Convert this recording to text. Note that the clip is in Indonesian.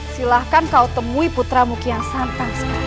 silahkan kau temui putramu kiasa sekarang